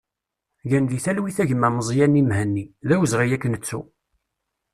Gen di talwit a gma Mezyani Mhenni, d awezɣi ad k-nettu!